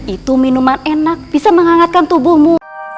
itu minuman enak bisa menghangatkan tubuhmu